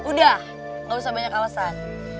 udah gak usah banyak alasan